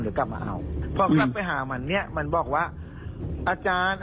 เดี๋ยวกลับมาเอาพอกลับไปหามันเนี่ยมันบอกว่าอาจารย์